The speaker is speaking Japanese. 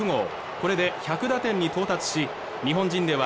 これで１００打点に到達し日本人では